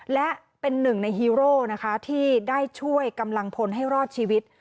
และเป็นหนึ่งในฮีโร่นะคะที่ได้ช่วยกำลังพลให้รอดชีวิต